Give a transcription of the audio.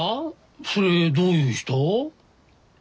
それどういう人？